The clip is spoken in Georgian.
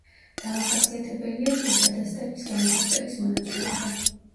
დამახასიათებელია ტყისა და სტეპის ლანდშაფტების მონაცვლეობა.